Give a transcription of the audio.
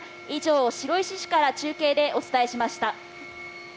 以上、白石市から中継でお伝えしました。